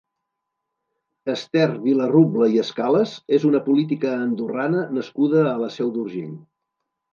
Ester Vilarrubla i Escales és una política andorrana nascuda a la Seu d'Urgell.